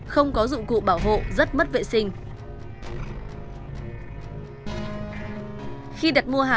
không cháu ví dụ cơ sở của cháu nhé